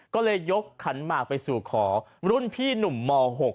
ก็เลยยกขันหมากไปสู่ขอรุ่นพี่หนุ่มม๖